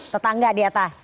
tetangga di atas